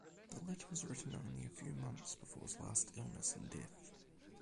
The letter was written only a few months before his last illness and death.